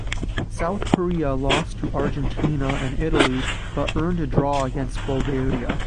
South Korea lost to Argentina and Italy but earned a draw against Bulgaria.